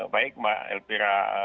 baik mbak elvira